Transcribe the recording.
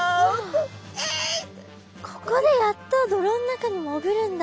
ここでやっと泥の中に潜るんだ。